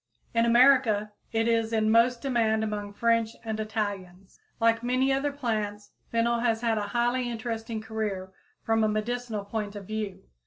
In America it is in most demand among French and Italians. Like many other plants, fennel has had a highly interesting career from a medical point of view.